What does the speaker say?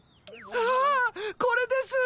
あこれです！